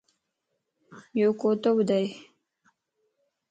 يو ڪوتو ٻڌئي